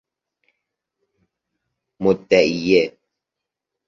مدعیه